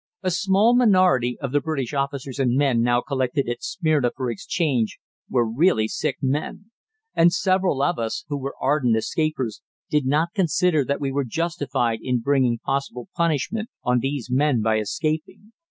A small minority of the British officers and men now collected at Smyrna for exchange were really sick men; and several of us, who were ardent escapers, did not consider that we were justified in bringing possible punishment on these men by escaping.